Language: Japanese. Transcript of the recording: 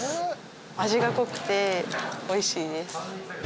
味が濃くておいしいです。